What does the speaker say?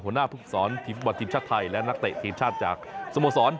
หัวหน้าภึกศรทีมฟุตบอลทีมชาติไทยและนักเตะทีมชาติจากสโมสร